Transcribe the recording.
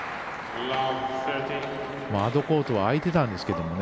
アドコート開いてたんですけどね。